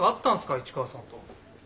市川さんと。